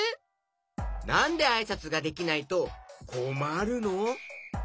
なんであいさつができないとこまるの？